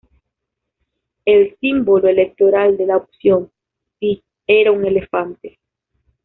El símbolo electoral de la opción "Si" era un elefante.